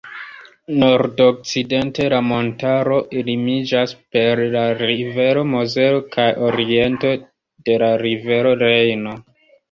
Nordokcidente la montaro limiĝas per la rivero Mozelo kaj oriente de la rivero Rejno.